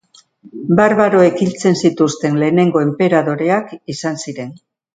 Barbaroek hiltzen zituzten lehenengo enperadoreak izan ziren.